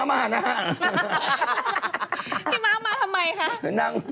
พี่ม้ามาทำไมคะ